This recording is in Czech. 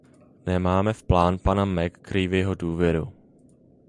Nemáme v plán pana McCreevyho důvěru.